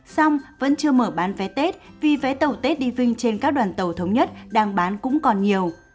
xong vẫn chưa mở bán vé tết vì vé tàu tết đi vinh trên các đoàn tàu thống nhất đang bán cũng còn nhiều